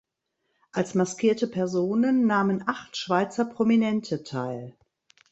Als maskierte Personen nahmen acht Schweizer Prominente teil.